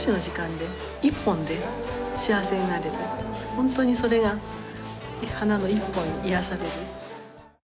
ホントにそれが花の一本で癒やされる。